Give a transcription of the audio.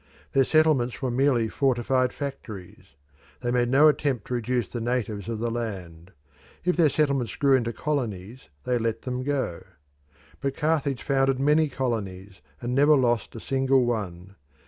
Their settlements were merely fortified factories; they made no attempt to reduce the natives of the land. If their settlements grew into colonies, they let them go. But Carthage founded many colonies and never lost a single one.